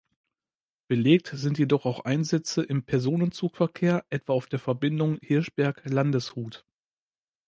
Belegt sind jedoch auch Einsätze im Personenzugverkehr, etwa auf der Verbindung Hirschberg–Landeshut.